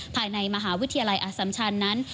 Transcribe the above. ภายในมหาวิทยาลัยอสัมชันนั้น